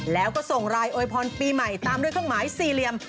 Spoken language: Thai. แล้วก็ส่งรายโวยพรปีใหม่ตามด้วยเครื่องหมายสี่เหลี่ยม